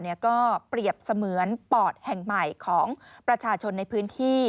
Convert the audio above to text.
ก็เปรียบเสมือนปอดแห่งใหม่ของประชาชนในพื้นที่